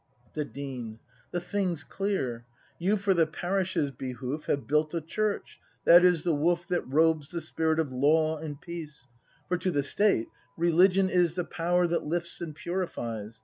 The Dean. The thing's clear. You for the Parish's behoof Have built a Church. That is the woof That robes the spirit of Law and Peace; For to the State, religion is The power that lifts and purifies.